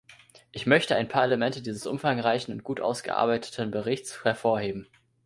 Ich möchte ein paar Elemente dieses umfangreichen und gut ausgearbeiteten Berichts hervorheben.